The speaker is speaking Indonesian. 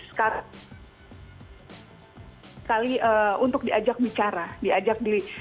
sekali untuk diajak bicara